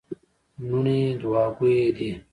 لوڼي دوعا ګویه دي.